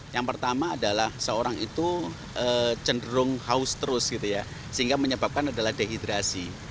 yang pertama adalah seorang itu cenderung haus terus sehingga menyebabkan dehidrasi